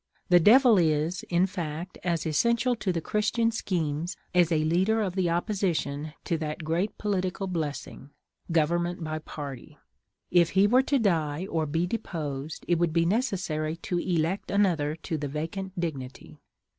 The Devil is in fact as essential to the Christian schemes as a leader of the opposition to that great political blessing, government by party. If he were to die, or be deposed, it would be necessary to elect another to the vacant dignity.